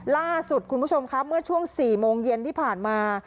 ล่าสุดคุณผู้ชมครับเมื่อช่วง๔โมงเย็นที่ผ่านมา